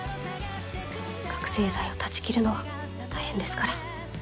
覚せい剤を断ち切るのは大変ですから。